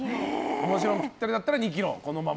もちろん、ぴったりだったら２ｋｇ、このまま。